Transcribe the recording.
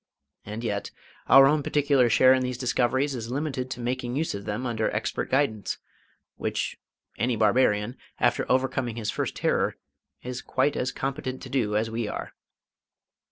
And yet our own particular share in these discoveries is limited to making use of them under expert guidance, which any barbarian, after overcoming his first terror, is quite as competent to do as we are.